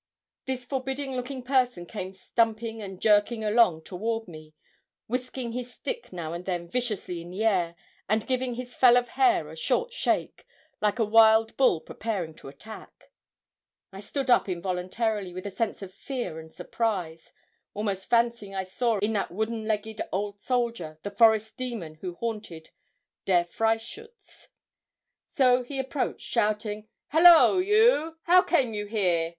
This forbidding looking person came stumping and jerking along toward me, whisking his stick now and then viciously in the air, and giving his fell of hair a short shake, like a wild bull preparing to attack. I stood up involuntarily with a sense of fear and surprise, almost fancying I saw in that wooden legged old soldier, the forest demon who haunted Der Freischütz. So he approached shouting 'Hollo! you how came you here?